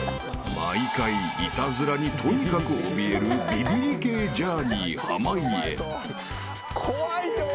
［毎回イタズラにとにかくおびえるビビり系ジャーニー濱家］